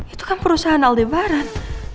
itu kan perusahaan aldebaran